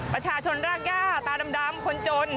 ประชาชนรากย่าตาดำคนจน